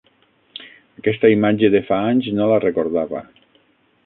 Aquesta imatge de fa anys no la recordava.